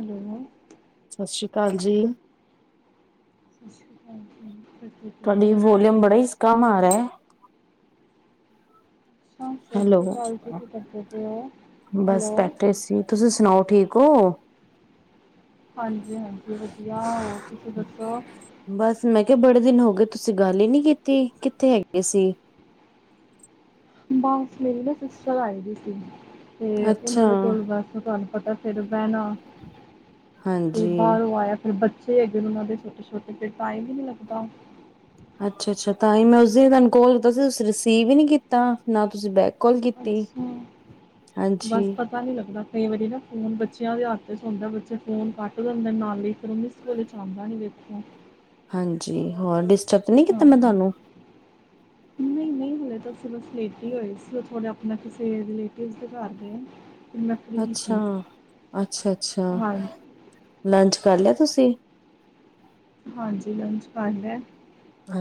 [unintelligible] ਸਾਸੀ ਕਾਲ ਜੀ। [inaudible] ਤੁਹਾਡੀ ਵੋਲੀਊਮ ਬੜਾ ਈਸ ਕੰਮ ਆ ਰਹਾ ਹੈ। ਅੱਛਾ ਸਤਿ ਹੈਲੋ, ਸ਼੍ਰੀ ਅਕਾਲ ਜੀ ਕਿੱਦਾਂ ਦੇ ਹੋ ਹੈਲੋ ਬਸ ਬੈਠੈ ਸੀ। ਤੁਸੀਂ ਸੁਣਾਓ, ਠੀਕ ਹੋ? ਹਾਂਜੀ-ਹਾਂਜੀ, ਵਧੀਆ, ਹੋਰ ਤੁਸੀਂ ਦੱਸੋ। ਬਸ ਮੈਂ ਕਿਹਾ, ਬੜੇ ਦਿਨ ਹੋ ਗਏ! ਤੁਸੀਂ ਗੱਲ ਹੀ ਨਹੀਂ ਕੀਤੀ, ਕਿੱਥੇ ਹੈਗੇ ਸੀ? ਬਸ ਮੇਰੀ ਨਾ ਸਿਸਟਰ ਆਈ ਦੀ ਸੀ, ਤੇ ਉਹਨਾਂ ਅੱਛਾ ਦੇ ਕੋਲ ਬਸ, ਤਾਂ। ਪਤਾ ਫਿਰ ਬੈਣਾ, ਫਿਰ ਹਾਂਜੀ ਬਾਰੋਂ ਆਇਆ ਫਿਰ ਬ। [unintelligible] ਹੈਗੇ ਨੇ ਨਾ ਉਨਾਂ ਦੇ ਛੋਟੇ-ਛੋਟੇ, ਤੇ ਟਾਈਮ ਈ ਨੀ ਲੱਗਦਾ। ਅੱਛਾ-ਅੱਛਾ ਤਾਂ ਈ ਮੈਂ ਉਸ ਦਿਨ ਤੁਹਾਨੂੰ ਕੋਲ ਕੀਤਾ ਸੀ, ਤੁਸੀਂ ਰਿਸੀਵ ਈ ਨੀ ਕੀਤਾ, ਨਾ ਤੁਸੀਂ ਬੈਕ। ਕੋਲ ਕੀਤੀ? ਅੱਛਾ ਬਸ ਹਾਂਜੀ। ਪਤਾ ਨੀ ਲਗਦਾ ਕਈ ਵਾਰੀ ਨਾ ਫੋਨ ਬੱਚਿਆਂ ਦੇ ਹੱਥ ਚ ਹੁੰਦਾ, ਬੱਚੇ ਫੋਨ ਕੱਟ ਦਿੰਦੇ ਨੇ ਨਾਲੇ ਫਿਰ। ਪਹਿਲੇ ਜਾਂਦਾ ਨਈ, ਵੇਖਿਆ। ਹਾਂਜੀ, ਹੋਰ ਡਿਸਟਰਬ ਤਾਂ ਨਹੀਂ ਕੀਤਾ ਮੈਂ, ਤੁਹਾਨੂੰ? ਨਈ ਨਈ ਹਲੇ ਤਾਂ ਅਸੀ ਬਸ ਲੇਟੇ ਈ ਹੋਏ ਸੀ। ਓ ਥੋੜੇ ਅਪਨਾ ਕਿਸੇ ਰਿਲੇਟਿਵ ਦੇ ਘਰ ਗਏ। ਫਿਰ ਮੈਂ ਫ੍ਰੀ ਸੀ ਅੱਛਾ, ਅੱਛਾ-ਅੱਛਾ, ਹਾਂਜੀ ਲੰਚ ਕਰ ਲਿਆ ਤੁਸੀਂ? ਹਾਂਜੀ, ਲੰਚ ਕਰ ਲਿਐ।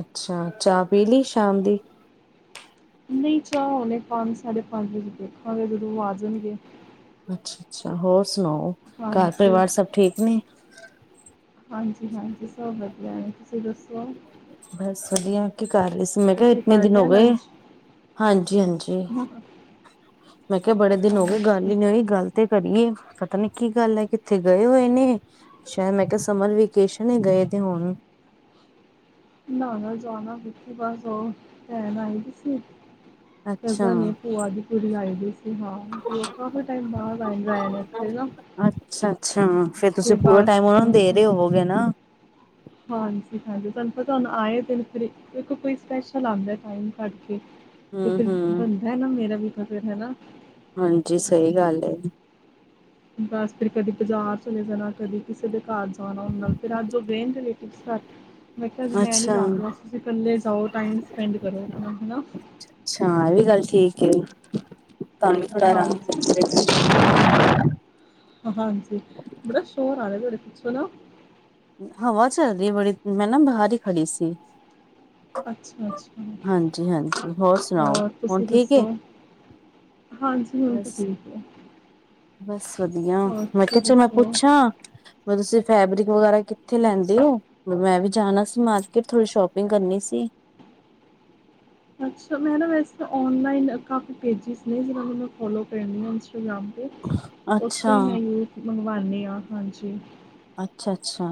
ਅੱਛਾ, ਚਾਹ ਪੀ ਲਈ ਸ਼ਾਮ ਦੀ। ਨਹੀਂ ਚਾਹ ਹੁਣੇ ਪੰਜ - ਸਾਢੇ ਪੰਜ ਵਜੇ ਦੇਖਾਂਗੇ, ਜਦੋਂ ਆ ਜਾਣਗੇ ਅੱਛਾ - ਅੱਛਾ, ਹੋਰ ਸੁਣਾਓ, ਘਰ ਹਾਂਜੀ ਪਰਿਵਾਰ ਸਭ ਠੀਕ ਨੇ? ਹਾਂਜੀ - ਹਾਂਜੀ ਸਭ ਵਧੀਆ ਏ, ਤੁਸੀਂ ਦੱਸੋ? ਬਸ ਵਧੀਆ, ਕੀ ਕਰ ਰਹੇ ਸੀ? ਮੈਂ ਕਿਹਾ, ਤੁਸੀਂ ਇਤਨੇ ਕਰ ਦਿਨ ਹੋ ਲਿਆ ਗਏ, ਲੰਚ ਹਾਂਜੀ - ਹਾਂਜੀ। ਮੈਂ ਕਿਹਾ, ਬੜੇ ਦਿਨ ਹੋ ਗਏ, ਗੱਲ ਬਸ ਹੀ ਨਹੀਂ ਹੋਈ। ਗੱਲ। ਤੇ ਕਰੀਏ। ਪਤਾ ਨੀ ਕੀ ਗੱਲ ਐ, ਕਿੱਥੇ ਗਏ ਹੋਏ ਨੇ। ਸ਼ੈਦ ਮੈਂ ਕਿਆ ਸਮਰ ਵੇਕੇਸ਼ਨ ਏ, ਗਏ ਤੇ ਹੁਣ। ਨਾ - ਨਾ ਜਾਣਾ ਕਿਥੇ, ਬਸ ਓ ਭੈਣ ਆਈ ਦੀ ਸੀ। ਅੱਛਾ ਕਜ਼ਨ ਏ, ਭੂਆ ਦੀ ਕੁੜੀ ਆਈ ਹੋਈ ਸੀ, ਹਾਂ ਭੂਆ ਕਾਫੀ ਟਾਈਮ ਬਾਦ ਆਏ ਰਹਿਣ ਏਥੇ ਨਾ। ਅੱਛਾ ਅੱਛਾ, ਫੇਰ ਤੇ ਤੁਸੀਂ ਪੂਰਾ ਟਾਈਮ ਬਸ ਉਹਨਾਂ ਨੂੰ ਦੇ ਰਹੇ ਹੋਵਗੇ ਨਾ। ਹਾਂਜੀ ਹਾਂਜੀ, ਤੁਹਾਨੂੰ ਪਤਾ ਹੁਣ ਆਏ ਤੇ ਨੇ [unintelligible] ਦੇਖੋ ਕੋਈ ਸਪੈਸ਼ਲ ਆਂਦਾ ਐ ਟਾਇਮ ਕੱਢ ਕੇ। ਤੇ ਫਿਰ ਹੂੰ-ਹੂੰ ਬਣਦਾ ਹੈ ਨਾ? ਮੇਰਾ ਵੀ ਤਾਂ, ਫਿਰ ਹੈਨਾ? ਹਾਂਜੀ ਸਹੀ ਗੱਲ ਏ। ਬਸ ਫਿਰ ਕਦੇ ਬਾਜ਼ਾਰ ਚਲੇ ਜਾਣਾ, ਕਦੇ ਕਿਸੇ ਦੇ ਘਰ ਜਾਣਾ, ਉਨਾਂ ਨਾਲ ਫੇਰ ਅੱਜ ਓ ਗਏ ਰਿਲੇਟਿਵਸ ਘਰ। ਮੈਂ ਕਿਹਾ, ਅਜ ਮੈਂ ਨੀ ਜਾਂਦੀ। ਅੱਜ ਅੱਛਾ-ਅੱਛਾ ਤੁਸੀ ਕੱਲੇ ਜਾਓ ਟਾਈਮ ਸਪੈਂਡ ਕਰੋ ਆਪਣਾ ਹਨਾਂ। ਅੱਛਾ, ਇਹ ਵੀ ਗੱਲ ਠੀਕ ਏ। ਤਵਾਨੁ ਥੋੜਾ ਹਾਂਜੀ ਆਰਾਮ। [unintelligible] [unintelligible] ਹਾਂਜੀ। ਬੜਾ ਸ਼ੋਰ ਆ ਰਿਹਾ ਤੁਹਾਡੇ ਪਿੱਛੇ ਨਾ। ਹਵਾ ਚੱਲ ਰਹੀ ਐ ਬੜੀ। ਮੈਂ ਨਾ ਬਾਹਰ ਹੀ ਖੜੀ ਸੀ। ਅੱਛਾ ਅੱਛਾ ਹਾਂਜੀ - ਹਾਂਜੀ, ਹੋਰ ਸੁਣਾਓ, ਔਰ ਹੁਣ ਤੁਸੀਂ ਠੀਕ ਏ? ਦੱਸੋ ਹਾਂਜੀ ਹੁਣ ਤਾਂ ਬਸ ਠੀਕ ਹੈ। ਬਸ ਵਧੀਆ, ਔਰ ਮੈਂ ਤੁਸੀਂ ਕਿਆ, ਚਲ ਮੈਂ ਦੱਸੋ ਪੁੱਛਾਂ। ਤੁਸੀਂ ਫੈਬਰਿਕ ਵਗੈਰਾ ਕਿੱਥੇ ਲੈਂਦੇ ਓ? ਮੈਂ ਵੀ ਜਾਣਾ ਸੀ ਮਾਰਕੀਟ, ਥੋੜ੍ਹੀ ਸ਼ੋਪਿੰਗ ਕਰਨੀ ਸੀ। ਅੱਛਾ ਮੈਂ ਨਾ ਵੈਸੇ ਤਾਂ ਔਨਲਾਈਨ, ਕਾਫੀ ਪੇਜ਼ਿਸ ਨੇ ਜਿਨਾਂ ਨੂੰ, ਮੈਂ ਫੋਲੋ ਕਰਨੀ ਆ ਇੰਸਟਾਗ੍ਰਾਮ। ਉੱਥੋਂ ਅੱਛਾ, ਹੀ, ਮੈਂਨਯੂ ਮੰਗਵਾਉਂਣੀ ਆ, ਹਾਂਜੀ। ਅੱਛਾ-ਅੱਛਾ,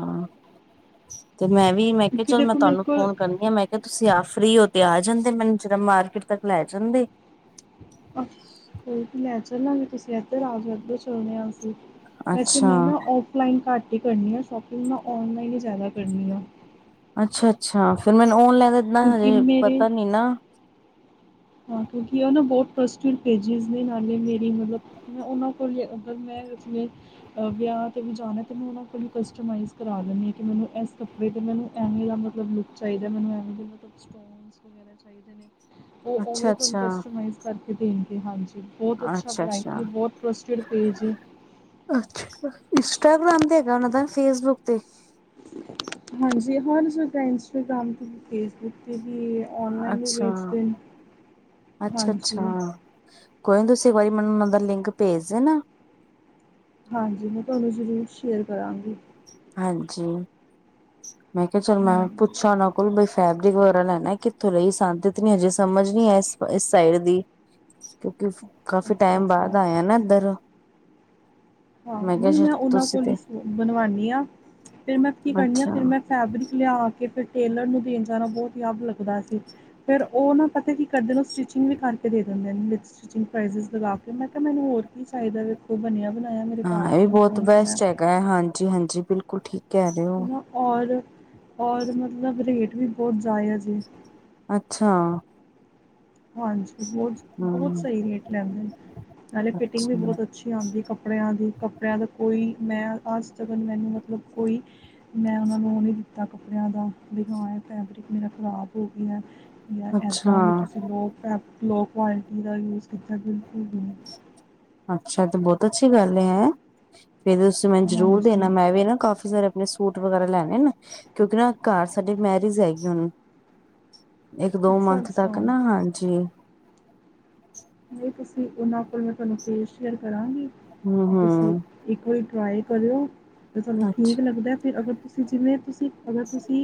ਤੇ ਮੈਂ ਵੀ, ਮੈਂ ਕਿਆ ਕਿਉਂਕਿ ਚਲ ਮੈਂ ਦੇਖੋ ਮੇਰੇ ਤੁਹਾਨੂੰ ਕੋਲ ਫੋਨ ਕਰਨ। ਮੈਂ ਕਿਹਾ, ਤੁਸੀਂ ਆਪ ਫਰੀ ਹੋ ਤੇ ਆ ਜਾਂਦੇ? ਮੈਨੂੰ ਜ਼ਰਾ ਮਾਰਕੀਟ ਤੱਕ ਲੈ ਜਾਂਦੇ। ਅ ਕੋਈ ਨਈ ਲੈ ਚਲਾਂ ਗੇ, ਤੁਸੀਂ ਇੱਧਰ ਆ ਜਾਓ ਇੱਧਰੋ ਚੱਲਦੇ ਆ, ਅਸੀਂ ਵੈਸੇ ਅੱਛਾ, ਮੈਂ ਨਾ, ਔਫਲਾਈਨ ਘੱਟ ਹੀ ਕਰਨੀ ਆ ਸ਼ੋਪਿੰਗ, ਮੈਂ ਔਨਲਾਈਨ ਹੀ ਜ਼ਿਆਦਾ ਕਰਨੀ ਆ। ਅੱਛਾ ਅੱਛਾ, ਫੇਰ ਮੈਨੂੰ ਔਨਲਾਈਨ ਦਾ ਇਦਾਂ ਕਿਉਂਕਿ ਹਜੇ ਮੇਰੇ ਪਤਾ ਨੀ ਨਾ। ਹਾਂ ਕਿਉਂਕਿ ਉਹ ਨਾ ਬਹੁਤ ਟਰਸਟਿਡ ਪੇਜ਼ੀਜ਼ ਨੇ ਨਾਲੇ ਮੇਰੀ ਮਤਲਬ। ਮੈਂ ਉਹਨਾਂ ਕੋਲ ਹੀ ਮੈਂ ਜਿਵੇਂ ਵਿਆਹ 'ਤੇ ਵੀ ਜਾਣਾ, ਅਤੇ ਮੈਂਨੂੰ ਕਸਟਮਾਈਜ਼ ਕਰਾ ਦੇਂਦੀ, ਹਾਂ ਮੈਨੂੰ ਇਸ ਬੀ ਮੈਨੂੰ ਐਵੇਂ ਦਾ ਮਤਲਬ ਲੁੱਕ ਚਾਹੀਦਾ ਮੈਨੂ ਐਵੇ ਦੇ ਮਤਲਬ ਐਵੇ ਮੈਨੂੰ ਚਾਹੀਦੇ ਨੇ, ਐਵੇਂ ਅੱਛਾ-ਅੱਛਾ, ਕਾਸਟੀਜਮ ਕਰਾ ਕੇ ਦਿੰਦੇਗੇ। ਹਾਂਜੀ। ਬਹੁਤ ਅੱਛਾ ਅੱਛਾ-ਅੱਛਾ। ਵਰਾਇਟੀ ਹੈ। ਬਹੁਤ ਟਸਟ ਪੇਜ ਹੈ। ਅੱਛਾ। ਇੰਸਟਾਗ੍ਰਾਮ ਤੇ ਹੈਗਾ ਓਨਾਂ ਦਾ ਫੇਸਬੁੱਕ ਤੇ। ਹਾਂਜੀ। ਹਰ ਜਗ੍ਹਾ ਇੰਸਟਾਗ੍ਰਾਮ ਤੇ, ਵੀ ਫੇਸਬੁੱਕ ਤੇ ਵੀ ਏ। ਔਨਲਾਈਨ ਵੀ ਅੱਛਾ, ਵੇਚਦੇ ਨੇ। ਅੱਛਾ-ਅੱਛਾ ਹਾਂਜੀ। ਕੋਈ ਨੀ ਤੁਸੀਂ ਮੈਨੂੰ ਇਹਦਾ ਲਿੰਕ ਭੇਜ ਦੇਨਾ। ਹਾਂਜੀ। ਮੈਂ ਤੁਹਾਨੂੰ ਜ਼ਰੂਰ ਸ਼ੇਅਰ ਕਰਾਂਗੀ। ਹਾਂਜੀ। ਮੈਂ ਕਿਹਾ ਚਲ ਮੈਂ ਹਾਂ ਪੁੱਛਾ, ਉਹਨਾਂ ਕੋਲ ਬ ਫੈਬਰਿਕ ਵਗੈਰਾ ਲੈਣਾ ਕਿੱਥੋਂ ਲਈ ਸਾਂਦਿਤ ਨੀ ਹਜੇ ਸਮਝ ਨੀ ਐ ਏਸ ਇਸ ਸਾਈਡ ਦੀ। ਕਿਉਂਕਿ ਕਾਫੀ ਅੱਛਾ ਟਾਈਮ ਅੱਛਾ ਬਾਦ ਆਇਆ ਨਾ ਇੱਧਰ। ਹਾਂ, ਕਿਹਾ ਨਈ ਸ਼ਾਇਦ ਮੈਂ ਓਨਾਂ ਤੁਸੀਂ ਕੋਲ ਈ ਤੇ ਸ ਬਣਵਾਣੀ ਆ, ਫਿਰ ਮੈਂ ਕੀ ਕਰਨੀ ਆ, ਅੱਛਾ ਫਿਰ ਮੈਂ ਫੈਬਰਿਕ ਲਿਆ ਕੇ ਫਿਰ ਟੇਲਰ ਨੂੰ ਦੇਣ ਜਾਣਾ ਬੋਤ ਈ ਅੱਗ ਲੱਗਦਾ ਸੀ। ਫੇਰ ਉਹ ਨਾ, ਪਤਾ ਕੀ ਕਰਦੇ ਨੇ, ਉਹ ਸਟਿਚਿੰਗ ਵੀ ਕਰਕੇ ਦੇ ਦਿੰਦੇ। ਸਟੇਚਿੰਗ ਪ੍ਰਜਿਜ ਲਗਾ ਕੇ, ਮੈਂ ਕਿਹਾ ਮੈਨੂੰ ਹੋਰ ਕੀ ਚਾਹੀਦਾ ਵਖੋ ਬਣਿਆ, ਬ ਹਾਂ, ਇਹ ਵੀ ਬਹੁਤ ਬੈਸਟ ਹੈਗਾ ਹੈ। ਹਾਂਜੀ-ਹਾਂਜੀ ਬਿਲਕੁਲ ਠੀਕ ਕਹਿ ਰਹੇ ਹੋ। ਨਾ ਔਰ, ਔਰ ਮਤਲਬ ਰੇਟ ਵੀ ਬੋਤ ਜਾਯਜ ਏ। ਅੱਛਾ। ਹਾਂਜੀ। ਬਹੁਤ- ਬਹੁਤ ਹੂੰ ਸਹੀ ਰੇਟ ਲੈਂਦੇ ਨੇ, ਨਾਲੇ ਫਿਟਿੰਗ ਵੀ, ਅੱਛਾ, ਬਹੁਤ ਅੱਛੀ ਆਉਂਦੀ, ਕੱਪੜਿਆਂ ਦੀ ਕੱਪੜਿਆਂ ਦਾ ਕੋਈ ਮੈਂ ਅੱਜ ਤਕ ਮੈਨੂੰ ਮਤਲਬ ਕੋਈ ਮੈਂ ਔਨਾਂ ਨੂੰ ਓਹ ਨੀ ਦਿੱਤਾ ਕੱਪੜਿਆਂ ਦਾ, ਵੀ ਹਾਂ ਐ ਫੈਬਰਿਕ ਮੇਰਾ ਖ਼ਰਾਬ ਹੋ ਗਿਆ ਐ। ਜਾਂ ਏਦਾਂ ਵੀ ਅੱਛਾ, ਤੁਸੀ ਲੋਅ ਫੈਬ ਲੋਅ ਕੁਆਲਿਟੀ ਦਾ ਯੂਜ ਕੀਤਾ ਬਿਲਕੁਲ ਵੀ ਨ੍ਹੀਂ। ਅੱਛਾ। ਤੇ ਬਹੁਤ ਅੱਛੀ ਗੱਲ ਏ ਹੈ। ਫੇਰ ਤੁਸੀਂ ਮੈਨ ਜ਼ਰੂਰ ਹਾਂਜੀ ਦੇਣਾ ਮੈਂ ਵੀ ਨਾ ਕਾਫੀ ਸਾਰੇ ਣੇ ਸੂਟ ਵਗੈਰਾ ਲੈਣੇ ਨੇ, ਕਿਉਂਕਿ ਨਾ ਘਰ ਸਾਡੇ ਮੈਰਿਜ ਹੈਗੀ ਏ। ਇੱਕ- ਦੋ ਅੱਛਾ ਮੰਥ ਤੱਕ ਅੱਛਾ ਨਾ। ਹਾਂਜੀ। ਨਹੀਂ, ਤੁਸੀਂ ਉਹਨਾਂ ਕੋਲ ਮੈਂ ਤੁਹਾਨੂੰ ਪੇਜ ਸ਼ੇਅਰ ਕਰਾਂਗੀ। ਹੂੰ ਤੁਸੀਂ ਹੂੰ ਇੱਕ ਵਾਰੀ ਟਰਾਈ ਕਰਿਓ। ਜੇ ਤੁਹਾਨੂੰ ਠੀਕ ਅੱਛਾ ਲੱਗਦਾ ਤੇ ਅਗਰ ਤੁਸੀਂ ਜਿਵੇਂ ਤੁਸੀਂ, ਅਗਰ ਤੁਸੀਂ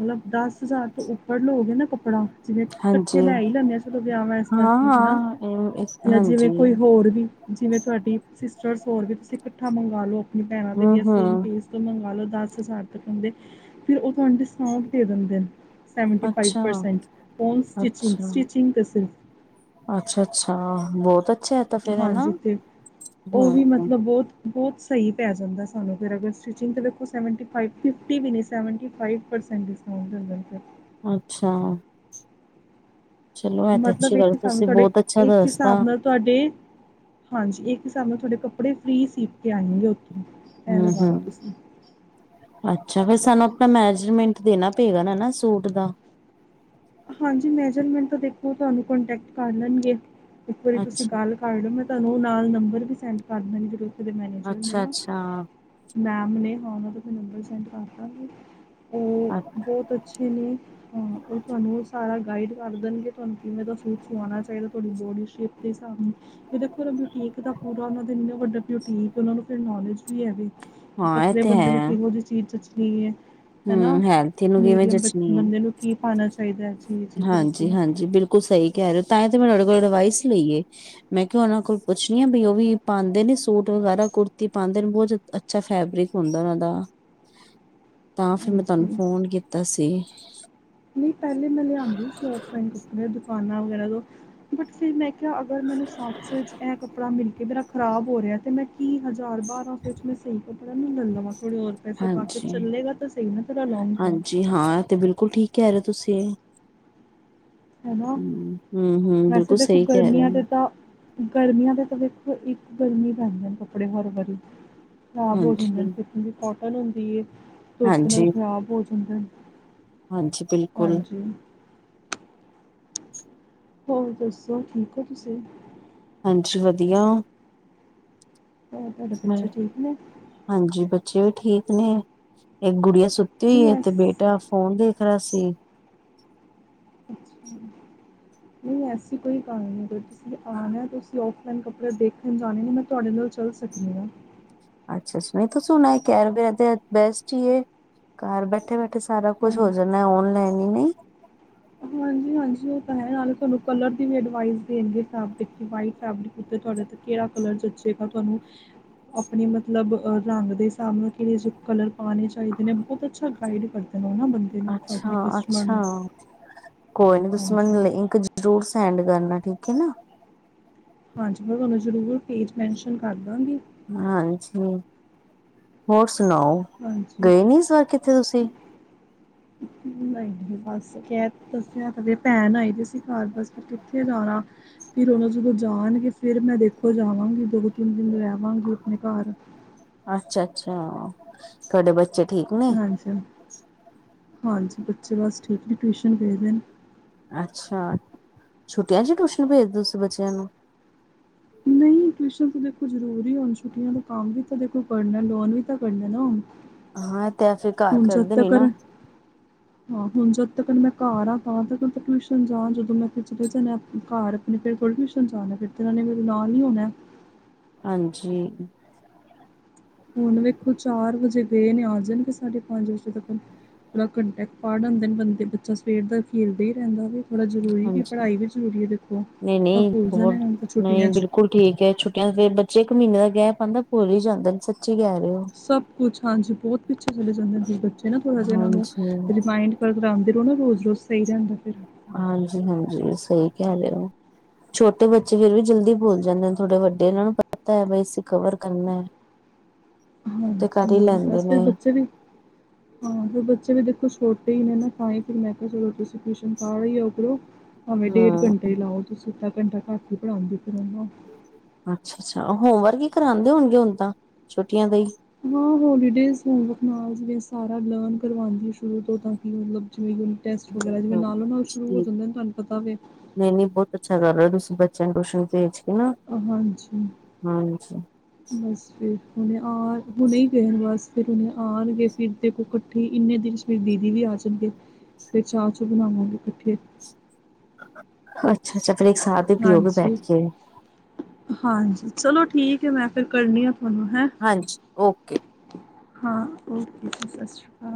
ਮਤਲਬ, ਦਸ ਹਜ਼ਾਰ ਤੋਂ ਉੱਪਰ ਲੋਗੇ ਨਾ ਕੱਪੜਾ ਜਿਵੇਂ ਕੱਠੇ ਹਾਂਜੀ ਲੈ ਈ ਲਨੇ ਆ ਚਲੋ ਵਿਆਹ ਵਾਸਤੇ ਅਸੀਂ ਹਨਾ। ਹੂ ਜਾਂ ਜਿਵੇਂ ਕੋਈ ਹੋਰ ਵੀ, ਜਿਵੇਂ ਤੁਹਾਡੀ ਸਿਸਟਰਸ ਹੋਰ ਵੀ ਤੁਸੀਂ ਇਕੱਠਾ ਮੰਗਵਾ ਲਓ। ਭੈਣਾਂ ਦੇ ਵੀ ਹੂੰ ਆ ਹੂੰ ਸੇਮ ਪੇਸ ਤੋਂ ਮੰਗਵਾ ਲਓ ਦਸ ਹਜ਼ਾਰ ਤੱਕਨ ਦੇ ਫਿਰ, ਓਹ ਤੁਹਾਨੂੰ ਡਿਸਕਾਉਂਟ ਦੇ ਦੇਂਦੇ ਨੇ। ਸੈਵਨਟੀ ਫਾਈਵ ਅੱਛਾ ਪਰਸੈਂਟ, ਓਨ ਸਟਿਚਿੰਗ- ਅੱਛਾ ਸਟਿਚਿੰਗ ਤਾਂ ਸਿਰਫ ਅੱਛਾ- ਅੱਛਾ, ਬਹੁਤ ਅੱਛਾ। ਤਾਂ ਫੇਰ ਹੈ ਨਾ ਹਾਂਜੀ। ਤੇ ਉਹ ਵੀ ਹੂੰ ਮਤਲਬ ਬਹੁਤ ਬੋਤ ਸਹੀ ਪੈ ਜਾਂਦਾ ਸਾਨੂੰ ਫਿਰ ਅਗਰ ਸਟਿਚਿੰਗ ਤੇ ਦੇਖੋ ਸੈਵਨਟੀ ਫਾਈਵ ਫਿਫਟੀ ਵੀ ਨਹੀਂ, ਸੈਵਨਟੀ ਫਾਈਵ ਪਰਸੈਂਟ ਡਿਸ ਹੂ ਲਾਲਣਗੇ। ਅੱਛਾ। ਚਲੋ ਇਹ ਤੇ ਮਤਲਬ ਅੱਛੀ ਇੱਕ ਗੱਲ ਹਿਸਾਬ ਨਾਲ ਤੁਸੀਂ ਤੁਹਾਡੇ, ਬਹੁਤ ਅੱਛਾ ਇੱਕ ਦੱਸਤਾ ਹਿਸਾਬ ਨਾਲ ਤੁਹਾਡੇ, ਹਾਂਜੀ। ਇੱਕ ਹਿਸਾਬ ਨਾਲ ਤੁਹਾਡੇ ਕੱਪੜੇ ਫ੍ਰਰੀ ਸੀ ਕੇ ਆਏਗੇ। ਹੂ- ਹੂ। ਅੱਛਾ। ਫਿਰ ਸਾਨੂੰ ਆਪਣਾ ਮੈਜਰਮੈਂਟ ਦੇਣਾ ਪਏਗਾ ਨਾ-ਨਾ ਸੂਟ ਦਾ। ਹਾਂਜੀ। ਮੈਜਰਮੈਂਟ ਤਾਂ ਦੇਖੋ ਤੁਹਾਨੂੰ ਕੋਂਟੈਕਟ ਕਰ ਲੈਣਗੇ। ਇੱਕ ਵਾਰੀ ਤੁਸੀਂ ਅੱਛਾ ਗੱਲ ਕਲ ਮੈਂ ਤੁਹਾਨੂੰ ਨਾਲ ਨੰਬਰ ਵੀ ਸੈਂਡ ਕਰ ਦੇਂਦੀਜਿਹੜੇ ਉੱਥੇ ਦੇ ਮੈਨੇਜਰ ਨੇ ਅੱਛਾ ਨਾ। ਅੱਛਾ ਮੈਮ ਨੇ ਮੈ ਉਹਨਾਂ ਦਾ ਨੰਬਰ ਸੈਂਡ ਕਰਤਾ ਸੀ। ਉਹ ਬਹੁਤ ਅੱਛੇ ਨੇ, ਹਾਂ। ਉਹ ਤੁਹਾਨੂੰ ਸਾਰੇ ਤਾਂ ਗਾਈਡ ਕਰ ਦੇਣਗੇ ਤੁਹਾਨੂੰ ਕਿਵੇਂ ਦਾ ਸੂਟ ਸਵਾਉਣਾ ਚਾਹੀਦਾ ਤੁਹਾਡੀ ਬੋਡੀ ਸ਼ੇਪ ਦੇ ਹਿਸਾਬ ਨਾਲ। ਏ ਦੇਖੋ ਓਨਾ ਬੌਟੀਕ ਦਾ ਪੂਰਾ ਓਨਾ ਦਾ ਐਨਾ ਵੱਡਾ ਬੌਟੀਕ, ਓਨਾਂ ਨੂੰ ਫੇਰ ਨੌਲੇਜ ਯਾ, ਹਾਂ ਇਹ ਪਤਲੇ ਤੇ ਬੰਦੇ ਨੂੰ ਹੈ ਕਿਹੋ ਜਿਹੀ ਚੀਜ਼ ਜਚਣੀ ਹੈ। ਹਨਾ, ਹਮ ਹੈਲਥ ਨੂੰ ਕਿਵੇਂ ਮੀਡੀਅਮ ਜਚਣੀ ਹੈ ਬੰਦੇ ਨੂੰ ਕੀ ਪਾਉਣਾ ਚਾਹੀਦਾ ਅੱਜ ਹਾਂਜੀ, ਹਾਂਜੀ, ਬਿਲਕੁਲ ਸਹੀ ਕਹਿ ਰਹੇ ਹੋ ਤਾਂ ਹੀ ਤਾਂ ਮੈਂ ਤੁਹਾਡੇ ਕੋਲ ਅਡਵਾਈਸ ਲਈ ਏ। ਮੈਂ ਕਿ ਉਹਨਾਂ ਕੋਲ ਪੁੱਛਣੀ ਆ ਬਈ ਉਹ ਵੀ ਪਾਉਂਦੇ ਨੇ ਸੂਟ ਵਗੈਰਾ ਕੁੜਤੀ ਪਾਉਂਦੇ ਨੇ ਬੁਝ ਅੱਛਾ ਫੈਬਰਿਕ ਹੁੰਦਾ ਉਹਨਾਂ ਦਾ। ਤਾਂ ਫਿਰ, ਮੈਂ ਤੁਹਾਨੂੰ ਹਾਂਜੀ ਫੋਨ ਕੀਤਾ ਸੀ ਨਹੀਂ ਪਹਿਲੇ ਮੈਂ ਲਿਆਂਉਦੀ ਸੀ ਔਫਲਾਇਨ ਕੱਪੜੇ ਦੁਕਾਨਾਂ ਵਗੈਰਾ ਤੋਂ ਬਟ ਫਿਰ ਮੈਂ ਕਿਹਾ, ਅਗਰ ਮੈਨੂੰ ਸੱਤ ਸੌ ਵਿਚ ਇਹ ਕੱਪੜਾ ਮਿਲ ਕੇ ਮੇਰਾ ਖ਼ਰਾਬ ਹੋ ਰਿਹਾ ਤੇ ਮੈਂ ਕੀ ਹਜ਼ਾਰ-ਬਾਰ੍ਹਾਂ ਸੋ 'ਚ ਮੈਂ ਸਹੀ ਕੱਪੜਾ ਲੈ ਲਵਾਂ। ਥੋੜ੍ਹੇ ਹੋਰ ਪੈਸੇ ਪਾਕੇ ਹਾਂਜੀ ਚੱਲੇਗਾ ਤਾਂ ਸਹੀ ਨਾ ਤੇਰਾ ਲੋਂਗ ਟਾਈਮ ਹਾਂਜੀ ਹਾਂ ਤੇ ਬਿਲਕੁਲ ਠੀਕ ਕਹਿ ਰਹੇ ਹੋ ਤੁਸੀ। ਹਨਾ। ਹਮ ਹਮ ਵੈਸੇ ਬਿਲਕੁਲ ਦੇਖ ਸਹੀ ਕਹਿ ਰਹੇ ਗਰਮੀਆਂ ਹੋ ਦੇ ਤਾਂ ਗਰਮੀਆਂ ਦਾ ਤਾਂ ਵੇਖੋ, ਇੱਕ ਗਰਮੀ ਪੈਂਦੇ ਨੇ ਕੱਪੜੇ ਹਰ ਵਾਰੀ ਖ਼ਰਾਬ ਹੋ ਜਾਂਦੇ ਹਾਂਜੀ ਨੇ ਕੋਟਨ ਦੀ, ਧੁੱਪ ਨਾਲ ਹਾਂਜੀ ਖ਼ਰਾਬ ਹੋ ਜਾਂਦੇ ਨੇ। ਹਾਂਜੀ, ਬਿਲਕੁਲ। ਹਾਂਜੀ ਹੋਰ ਦੱਸੋ, ਠੀਕ ਹੋ ਤੁਸੀਂ- ਹਾਂਜੀ, ਵਧੀਆ ਹੋਰ ਤੁਹਾਡੇ ਬੱਚੇ ਠੀਕ ਨੇ ਹਾਂਜੀ, ਬੱਚੇ ਵੀ ਠੀਕ ਨੇ। ਇੱਕ ਗੁੜੀਆ ਸੁੱਤੀ ਹੋਈ ਨਹੀਂ ਹੈ ਤਬੀਅਤ ਐਸ ਤਾਂ ਫੋਨ ਦੇਖ ਰਿਹਾ ਸੀ ਅੱਛਾ [inaudible] ਨਹੀਂ ਐਸੀ ਕੋਈ ਗੱਲ ਨਹੀਂ, ਤੁਸੀਂ ਆਉਣਾ ਤੁਸੀਂ ਔਫਲਾਈਨ ਕੱਪੜੇ ਦੇਖਣ ਜਾਣੇ ਨੇ ਮੈਂ ਤੁਹਾਡੇ ਨਾਲ 'ਚ ਚੱਲ ਸਕਦੀ ਹਾਂ ਅੱਛਾ-ਅੱਛ ਨਹੀਂ ਤੂੰਂ ਸੁਣਾ ਕੇਯਰ ਬਹੁਤ ਹੇ। ਬੈਸਟ ਹੀ ਏ, ਘਰ ਬੈਠੇ-ਬੈਠੇ ਫਿਰ ਸਾਰਾ ਹਾਂ ਕੁਛ ਹੋ ਜਾਣਾ, ਔਨਲਾਈਨ ਹੀ ਨਹੀਂ ਹਾਂਜੀ -ਹਾਂਜੀ ਉਹ ਤਾਂ ਹੈ, ਨਾਲੇ ਤੁਹਾਨੂੰ ਕਲਰ ਦੀ ਵੀ ਐਡਵਾਈਜ ਦੇਣਗੇ, ਫੈਬਰਿਕ ਵਾਈਟ ਫੈਬਰਿਕ। ਉਤੇ ਤੁਹਾਡੇ ਤੇ ਕਿਹੜਾ ਕਲਰ ਜਚੇਗਾ ਤੁਹਾਨੂੰ? ਆਪਣੇ ਮਤਲਬ, ਰੰਗ ਦੇ ਹਿਸਾਬ ਨਾਲ ਕਿਹੋ ਜਿਹੇ ਕਲਰ ਪਾਉਣੇ ਚਾਹੀਦੇ ਨੇ। ਬਹੁਤ ਅੱਛਾ ਗਾਈਡ ਕਰਦੇ ਬੁਲਾਂਵਾਂ ਬੰਦੇ ਨੂੰ, ਅੱਛਾ ਆਪਣੇ ਕਸਟਮਰ ਅੱਛਾ ਨੂੰ ਕੋਈ ਨੀ ਤੁਸੀਂ ਮੈਨੂੰ ਹਾਂਜੀ ਲਿੰਕ ਜ਼ਰੂਰ ਸੈਂਡ ਕਰਨਾ, ਠੀਕ ਹੈ ਨਾ। ਹਾਂਜੀ ਮੈਂ ਤੁਹਾਨੂੰ ਜ਼ਰੂਰ ਪੇਜ ਮੈਨਸ਼ਨ ਕਰ ਦਾਂਗੀ। ਹਾਂਜੀ, ਹੋਰ ਸੁਣਾਓ ਹਾਂਜੀ, ਗਏ ਨੀ ਇਸ ਵਾਰ ਕਿੱਥੇ ਤੁਸੀਂ ਨਹੀਂ ਬਸ। ਕੈਬ ਦੱਸਿਆ, ਭੈਣ ਆਈ ਦੀ ਸੀ ਘਰ, ਦਸ ਕਿੱਥੇ ਜਾਣਾ ਫਿਰ ਉਹਨਾਂ ਜਦੋਂ ਜਾਣਗੇ, ਫਿਰ ਮੈਂ ਦੇਖੋ ਜਾਵਾਂਗੀ ਦੋ-ਤਿੰਨ ਦਿਨ ਰਹਿ ਆਵਾਂਗੀ ਆਪਣੇ ਘਰ ਅੱਛਾ, ਅੱਛਾ। ਤੁਹਾਡੇ ਬੱਚੇ ਠੀਕ ਨੇ ਹਾਂਜੀ ਹਾਂ, ਹਾਂਜੀ ਬੱਚੇ ਬਸ ਠੀਕ ਏ ਟਿਊਸ਼ਨ ਗਏ ਨੇ ਅੱਛਾ, ਛੁੱਟੀਆਂ 'ਚ ਟਿਊਸ਼ਨ ਭੇਜਦੇ, ਤੁਸੀਂ ਬੱਚਿਆਂ ਨੂੰ ਨਹੀਂ [inaudible] ਟਿਊਸ਼ਨ ਤਾਂ ਦੇਖੋ ਜ਼ਰੂਰੀ ਹੋਣ ਛੁਟੀਆਂ ਦਾ ਕੰਮ ਵੀ ਤਾਂ ਦੇਖੋ ਕਰਨਾ, ਲੋਨ ਵੀ ਤਾਂ ਕਰਨਾ ਨਾ। ਹਾਂ ਤੈ ਫਿਰ ਘਰ ਹੁਣ ਕਰਦੇ ਨੀ ਨਾ ਸਤਯਕਰਨ। ਹਾਂ ਹੁਣ ਜਦ ਤੱਕ ਮੈਂ ਘਰ ਆਂ, ਤਾਂ ਤੱਕ ਟਿਊਸ਼ਨ ਜਾਣਦੋਂ, ਮੈਂ ਫੇਰ ਤਾਂਂ ਮੈਂ ਅਪਨੇ ਘਰ। ਫਿਰ ਥੋੜੀ ਟਿਊਸ਼ਨ ਜਾਣਾ, ਫਿਰ ਇਹਨਾਂ ਮੇਰੇ ਨਾਲ ਹੀ ਹੋਣਾ। ਹਾਂਜੀ। ਹੁਣ ਵੇਖੋ ਚਾਰ ਵਜੇ ਗਏ ਨੇ, ਆ ਜਾਣਗੇ ਸਾਢੇ ਪੰਜ ਵਜੇ ਤੱਕ। ਥੋੜਾ ਘੰਟਾ ਇਕ ਪੜ ਆਉਂਦਾ ਬੰਦਾ, ਬੱਚਾ ਸਵੇਰ ਦਾ ਖੇਡਦਾ ਹੀ ਰਹਿੰਦਾ ਵੇ ਬੜਾ ਜ਼ਰੂਰੀ ਕਿ ਹਾਂਜੀ ਪੜ੍ਹਾਈ ਵੀ ਜ਼ਰੂਰੀ ਹੈ ਦੇਖੋ। ਨਹੀਂ ਤਾਂ ਨਹੀਂ ਭੁੱਲ ਜਾਣਾ ਬਹੁਤ ਇੰਨਾ ਫੇਰ ਨਹੀਂ ਛੁੱਟੀਆਂ 'ਚ ਬਿਲਕੁਲ ਠੀਕ ਏ ਛੁੱਟੀਆਂ ਦੇ ਦਿਨ ਬੱਚੇ ਇੱਕ ਮਹੀਨੇ ਦਾ ਗੈਪ ਅਉਂਦਾ ਭੁਲ ਹੀ ਜਾਂਦੇ, ਸੱਚੀ ਕਹਿ ਰਹੇ ਹੋ। ਸਭ ਕੁਛ, ਹਾਂਜੀ ਬਹੁਤ ਪਿੱਛੇ ਚਲੇ ਜਾਂਦੇ ਨੇ ਬੱਚੇ, ਨਾ ਥੋੜ੍ਹਾ ਜਿਹਾ ਇਹਨਾਂ ਨੂੰ ਹਾਂਜੀ ਰਿਮਾਇਂਡ ਪਰ ਪੜਾਦੇ ਰਹੋ ਨਾ ਰੋਜ਼ ਰੋਜ਼ ਸਹੀ ਰਹਿੰਦਾ। ਫਿਰ ਹਾਂਜੀ‌‌‌, ‌‌‌‌ਹਾਂਜੀ ਸਹੀ ਕਹਿ ਰਹੇ ਹੋ। ਛੋਟੇ ਬੱਚੇ ਫੇਰ ਵੀ ਜਲਦੀ ਭੁਲ ਜਾਂਦੇ ਨੇ। ਥੋੜੇ ਵੱਡੇ ਇਹਨਾਂ ਨੂੰ ਪਤਾ ਹੈ, ਬਇ ਅਸੀਂ ਕਵਰ ਕਰਨਾ ਹੈ ਤੇ ਕਰ ਹਾਂਜੀ ਹੀ ਹਾਂਜੀ ਲੈਂਦੇ ਬਸ ਨੇ ਫਿਰ ਬੱਚੇ ਵੀ ਹਾਂ ਫੇਰ ਬੱਚੇ ਵੀ ਦੇਖੋ ਛੋਟੇ ਹੀ ਨੇ ਨਾ ਖਾਏ ਫਿਰ ਮੈਂ ਕਿਹਾ ਚਲੋ ਤੁਸੀਂ ਟਿਊਸ਼ਨ ਪਾਇਉ ਕਰੋ। ਭਾਵੇ ਡੇਢ ਹੂੰ ਘੰਟੇ ਹੀ ਲਾਓ ਤੁਸੀਂ ਅਧਾ ਘੰਟਾ ਘਟ ਹੀ ਪੜਾਉਂਦੇ ਪੇ ਨੇ ਨਾ ਅੱਛਾ ਅੱਛਾ ਹੋਮ ਵਰਕ ਹੀ ਕਰਾਉਂਦੇ ਹੋਣਗੇ ਹੁਣ ਤਾਂ ਛੁੱਟੀਆਂ ਦ ਹੀ। ਹਾਂ ਹੋਲੀਡੇਜ਼ ਹੋਮਵਰਕ ਨਾਲ ਜਿਵੇਂ ਸਾਰਾ ਲਰਨ ਕਰਵਾਉਂਦੀ ਏ। ਸ਼ੁਰੂ ਤੋਂ ਤਾਂ ਕਿ ਮਤਲਬ ਜਿਵੇਂ ਟੈਸਟ ਹੂੰ ਵਗੈਰਾ ਜਿਵੇਂ ਹੂੰ ਨਾਲੋਂ ਨਾਲ ਸ਼ੁਰੂ ਹੋ ਠੀਕ ਜਾਂਦੇ ਨੇ। ਤੁਹਾਨੂੰ ਪਤਾ ਵੇ ਨਹੀਂ ਨਹੀਂ ਬਹੁਤ ਅੱਛਾ ਕਰ ਰਹੇ ਤੁਸੀਂ ਬੱਚਿਆਂ ਨੂੰ ਟਿਊਸ਼ਨ ਭੇਜ ਕੇ ਨਾ। ਹਾਂਜੀ। ਹਾਂਜੀ ਬਸ ਫੇਰ ਆ ਹੁਣੇ ਆਣ ਹੁਣੇ ਗਏ ਬਸ ਫੇਰ ਹੁਣੇਆਉਣਗੇ ਫਿਰ ਦੇਖੋ ਇਕੱਠੇ ਇੰਨੇ ਦਿਨ। ਫਿਰ ਦੀਦੀ ਵੀ ਆ ਜਾਂਦੇ। ਫਿਰ ਚਾਹ ਚੂ ਬਣਾਵਾਂਗੇ ਕਠੇ ਅੱਛਾ ਅੱਛਾ ਫਿਰ ਇੱਕ ਸਾਥ। ਹੀ ਪੀਓਗੇ ਹਾਂਜੀ ਬੈਠ ਕੇ ਹਾਂਜੀ ਚਲੋ ਠੀਕ ਹੈ ਮੈਂ ਫੇਰ ਕਰਨੀ ਆ ਤੁਹਾਨੂੰ ਹੈਂ ਹਾਂਜੀ, ਓਕੇ ਹਾਂ ਓਕੇ ਜੀ ਸਤਿ ਸ਼੍ਰੀ ਅਕਾਲ।